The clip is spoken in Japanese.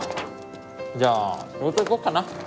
じゃあ仕事行こっかな。